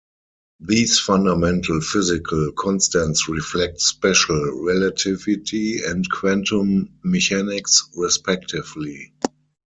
These fundamental physical constants reflect special relativity and quantum mechanics, respectively.